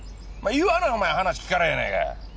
言わなお前話聞かないやないか！